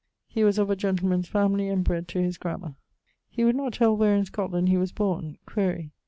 He was of a gentleman's family, and bred to his grammar. would not tell where in Scotland he was borne: quaere.